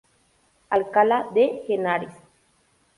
Alcalá de Henares.